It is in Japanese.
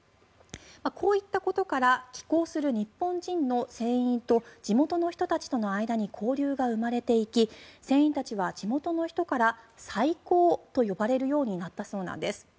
こういったことから寄港する日本人の船員と地元の人たちとの間に交流が生まれていき船員たちは地元の人からサイコーと呼ばれるようになったそうなんです。